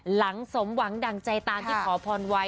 สมหวังดั่งใจตามที่ขอพรไว้